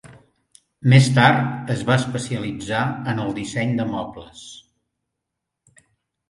Més tard es va especialitzar en el disseny de mobles.